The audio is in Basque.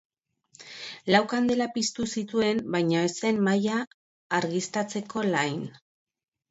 Lau kandela piztu zituen baina ez zen mahaia argiztatzeko lain.